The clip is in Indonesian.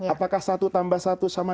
apakah satu tambah satu sama